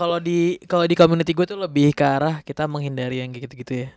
kalau di community gue tuh lebih ke arah kita menghindari yang gitu gitu ya